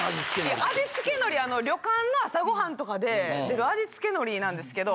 いや味付け海苔旅館の朝ごはんとかで出る味付け海苔なんですけど。